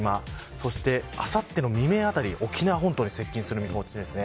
そして、あさっての未明あたり沖縄本島に接近する見込みです。